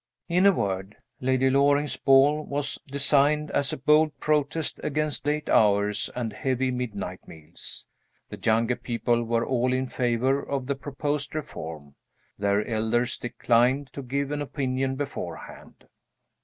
In a word, Lady Loring's ball was designed as a bold protest against late hours and heavy midnight meals. The younger people were all in favor of the proposed reform. Their elders declined to give an opinion beforehand.